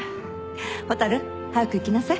蛍早く行きなさい。